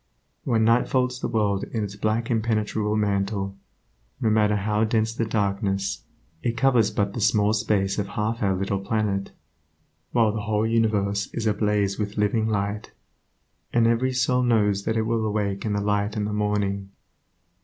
When night folds the world in its black impenetrable mantle, no matter how dense the darkness, it covers but the small space of half our little planet, while the whole universe is ablaze with living light, and every soul knows that it will awake in the light in the morning.